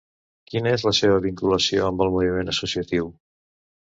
Quina és la teva vinculació amb el moviment associatiu?